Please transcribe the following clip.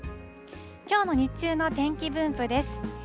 きょうの日中の天気分布です。